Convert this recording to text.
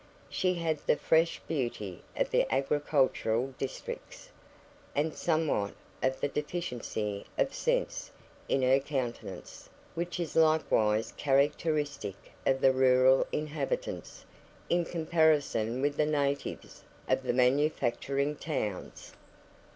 She had the fresh beauty of the agricultural districts; and somewhat of the deficiency of sense in her countenance, which is likewise characteristic of the rural inhabitants in comparison with the natives of the manufacturing towns.